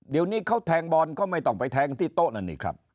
เดี๋ยวนี้เขาแทงบอลก็ไม่ต้องไปแทงที่โต๊ะนั่นนี่ครับ